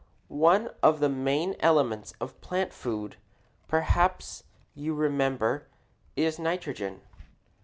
One of the main elements of plant food, perhaps you remember, is nitrogen.